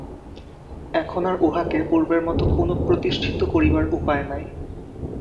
এখন আর উহাকে পূর্বের মত পুনঃপ্রতিষ্ঠিত করিবার উপায় নাই।